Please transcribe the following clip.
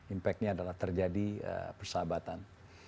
impactnya adalah terjadi persahabatan